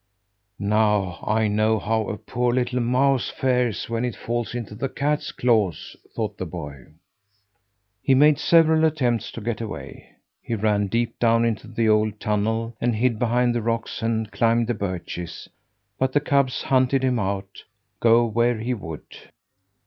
"Now I know how a poor little mousie fares when it falls into the cat's claws," thought the boy. He made several attempts to get away. He ran deep down into the old tunnel and hid behind the rocks and climbed the birches, but the cubs hunted him out, go where he would.